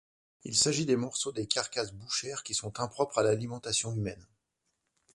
Il s'agit des morceaux des carcasses bouchères qui sont impropres à l'alimentation humaine.